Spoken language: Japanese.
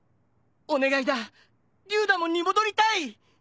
お願いだリュウダモンに戻りたい！